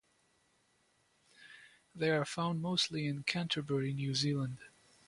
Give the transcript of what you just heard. They are found mostly in Canterbury, New Zealand.